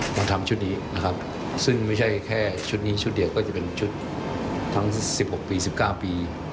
เราทำชุดนี้นะครับซึ่งไม่ใช่แค่ชุดนี้ชุดเดียวก็จะเป็นชุดทั้ง๑๖ปี๑๙ปี